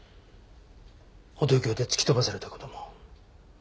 歩道橋で突き飛ばされた事も。